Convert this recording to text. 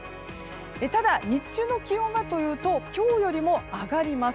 ただ、日中の気温はというと今日よりも上がります。